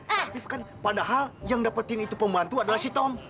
aktif kan padahal yang dapetin itu pembantu adalah si tom